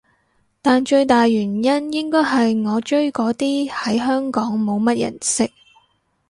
但最大原因應該係我追嗰啲喺香港冇乜人識